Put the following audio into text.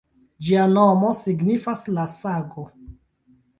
Ĝia nomo signifas “La Sago”.